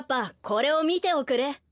これをみておくれ。